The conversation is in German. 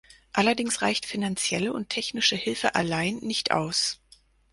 Allerdings reicht finanzielle und technische Hilfe allein nicht aus.